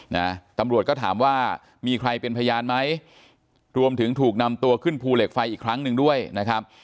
นะตำรวจก็ถามว่ามีใครเป็นพยานไหมรวมถึงถูกนำตัวขึ้นภูเหล็กไฟอีกครั้งหนึ่งด้วยนะครับ